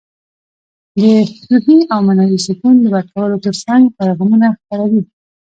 د روحي او معنوي سکون ورکولو ترڅنګ پیغامونه خپروي.